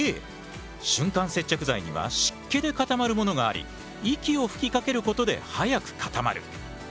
瞬間接着剤には湿気で固まるものがあり息を吹きかけることで早く固まる。